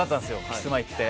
キスマイって。